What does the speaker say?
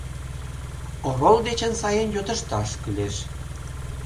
Орол дечын сайын йодышташ кӱлеш.